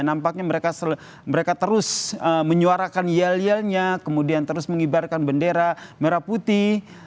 nampaknya mereka terus menyuarakan yel yelnya kemudian terus mengibarkan bendera merah putih